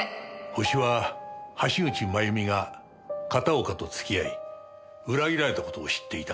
ホシは橋口まゆみが片岡と付き合い裏切られた事を知っていた。